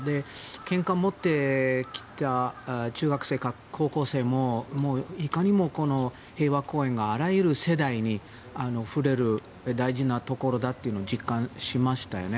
献花を持ってきた中学生か高校生もいかにも平和公園があらゆる世代に触れる大事なところだというのを実感しましたよね。